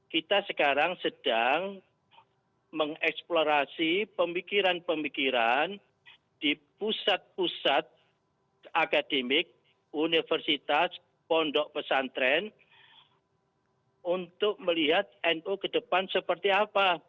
kita sekarang sedang mengeksplorasi pemikiran pemikiran di pusat pusat akademik universitas pondok pesantren untuk melihat nu ke depan seperti apa